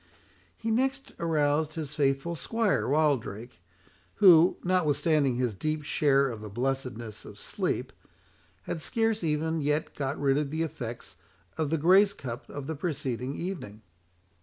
He next aroused his faithful squire, Wildrake, who, notwithstanding his deep share of the "blessedness of sleep," had scarce even yet got rid of the effects of the grace cup of the preceding evening.